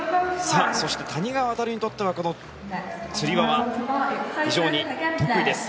そして、谷川航にとってはこのつり輪は非常に得意です。